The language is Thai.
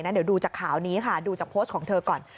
เดี๋ยวดูจากข่าวนี้ค่ะดูจากโพสต์ของเธอก่อน